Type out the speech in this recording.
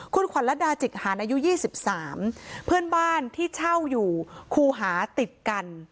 คุณขวัญระดาจิกหารอายุ๒๓เพื่อนบ้านที่เช่าอยู่คูหาติดกัน